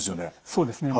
そうですね。